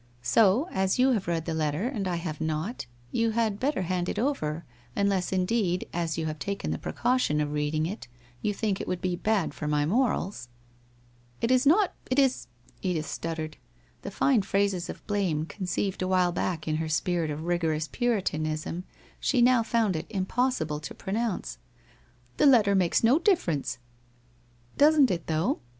So, as you have read the letter, and I have not, you had better hand it over, unless indeed, as you have taken the precaution of reading it, you think it would be bad for my morals !'' It is not — it is ' Edith stuttered. The fine phrases of blame conceived awhile back in her spirit of rigorous Puritanism she now found it impossible to pronounce. ' The letter makes no difference.' ' Doesn't it though